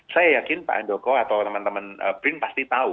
saya yakin pak andoko atau teman teman brin pasti tahu